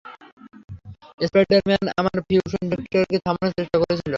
Spider Man আমার fusion রিয়েক্টরকে থামানোর চেষ্টা করছিল।